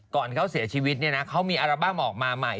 ก่อนเขาเสียชีวิตเนี่ยนะเขามีอัลบั้มออกมาใหม่